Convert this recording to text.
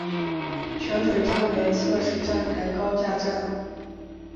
泉水站为侧式站台高架站。